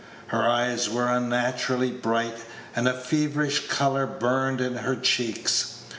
Her eyes were unnaturally bright, and a feverish color burned in her cheeks.